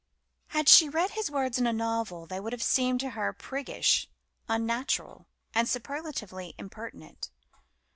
Had she read his words in a novel they would have seemed to her priggish, unnatural, and superlatively impertinent.